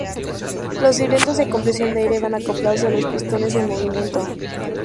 Los cilindros de compresión de aire van acoplados a los pistones en movimiento.